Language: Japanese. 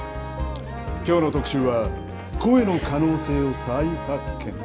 きょうの特集は、声の可能性を再発見。